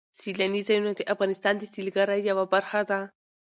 سیلاني ځایونه د افغانستان د سیلګرۍ یوه برخه ده.